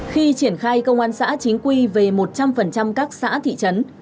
khi triển khai công an xã chính quy về một trăm linh các xã thị trấn